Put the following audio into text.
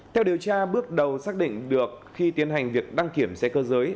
theo điều tra bước đầu xác định được khi tiến hành việc đăng kiểm xe cơ giới